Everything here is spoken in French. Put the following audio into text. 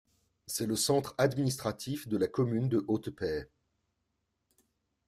C'est le centre administratif de la Commune de Otepää.